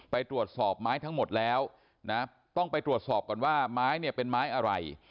ไปตรวจสอบไม้ทั้งหมดแล้วนะต้องไปตรวจสอบก่อนว่าไม้เนี่ยเป็นไม้อะไร